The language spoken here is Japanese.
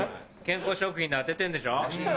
健康食品で当ててんでしょ。